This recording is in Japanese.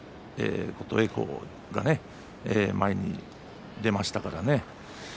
琴恵光が前に出ましたからね。